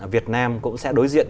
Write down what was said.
việt nam cũng sẽ đối diện